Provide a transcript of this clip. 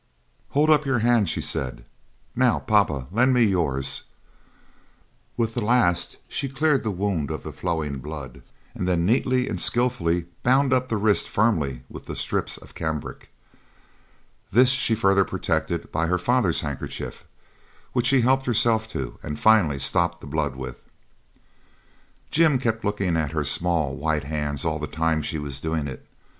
'Hold up your hand,' she said. 'Now, papa, lend me yours.' With the last she cleared the wound of the flowing blood, and then neatly and skilfully bound up the wrist firmly with the strips of cambric. This she further protected by her father's handkerchief, which she helped herself to and finally stopped the blood with. Jim kept looking at her small white hands all the time she was doing it.